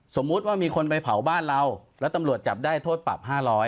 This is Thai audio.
สมมุติว่ามีคนไปเผาบ้านเราแล้วตำรวจจับได้โทษปรับ๕๐๐